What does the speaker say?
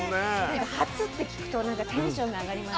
なんか「初」って聞くとなんかテンションが上がります。